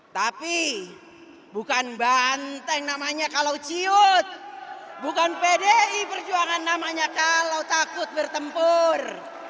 tapi bukan banteng namanya kalau ciut bukan pdi perjuangan namanya kalau takut bertempur